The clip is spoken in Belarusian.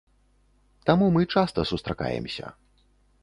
Таму мы часта сустракаемся.